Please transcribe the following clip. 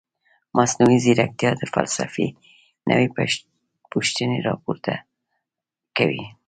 مصنوعي ځیرکتیا د فلسفې نوې پوښتنې راپورته کوي.